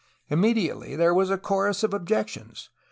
Immediately there was a chorus of objections.